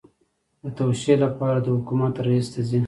د توشیح لپاره د حکومت رئیس ته ځي.